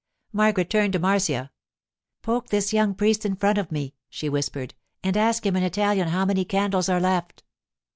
Margaret turned to Marcia. 'Poke this young priest in front of me,' she whispered, and ask him in Italian how many candles are left.